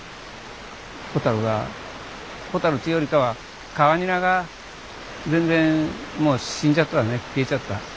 ホタルがホタルっちゅうよりかはカワニナが全然もう死んじゃった消えちゃった。